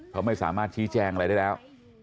เขาไม่สามารถชี้แจงอะไรได้แล้ว